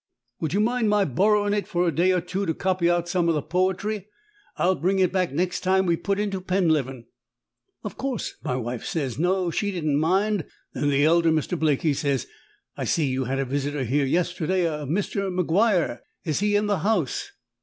Would you mind my borrowing it for a day or two to copy out some of the poetry? I'll bring it back next time we put into Penleven.' Of course my wife says, 'No, she didn't mind.' Then the elder Mr. Blake he says, 'I see you had a visitor here yesterday a Mr. MacGuire. Is he in the house?'